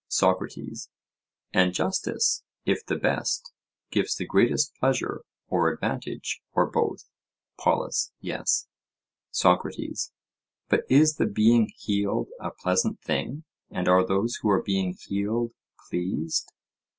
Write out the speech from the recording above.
SOCRATES: And justice, if the best, gives the greatest pleasure or advantage or both? POLUS: Yes. SOCRATES: But is the being healed a pleasant thing, and are those who are being healed pleased?